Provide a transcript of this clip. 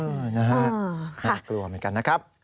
นะฮะน่ากลัวเหมือนกันนะครับ